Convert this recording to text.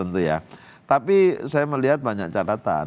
tapi saya melihat banyak catatan